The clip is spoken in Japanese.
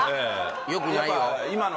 よくないよ